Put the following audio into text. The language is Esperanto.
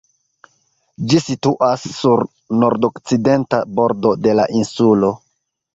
Ĝi situas sur nordokcidenta bordo de la insulo.